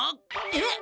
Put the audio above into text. えっ！